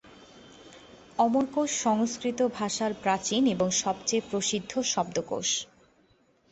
অমরকোষ সংস্কৃত ভাষার প্রাচীন এবং সবচেয়ে প্রসিদ্ধ শব্দকোষ।